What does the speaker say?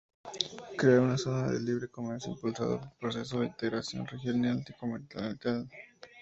Crear una Zona de Libre Comercio impulsando el proceso de integración regional y continental.